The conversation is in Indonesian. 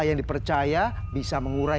yang dipercaya bisa mengurai